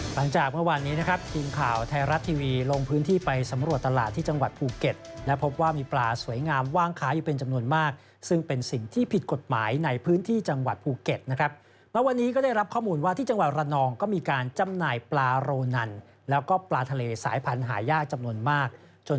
หลังจากเมื่อวานนี้นะครับทีมข่าวไทยรัฐทีวีลงพื้นที่ไปสำรวจตลาดที่จังหวัดภูเก็ตและพบว่ามีปลาสวยงามว่างค้าอยู่เป็นจำนวนมากซึ่งเป็นสิ่งที่ผิดกฎหมายในพื้นที่จังหวัดภูเก็ตนะครับแล้ววันนี้ก็ได้รับข้อมูลว่าที่จังหวัดระนองก็มีการจำหน่ายปลาโรนันแล้วก็ปลาทะเลสายพันธุ์